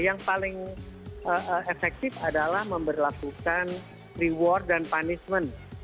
yang paling efektif adalah memperlakukan reward dan punishment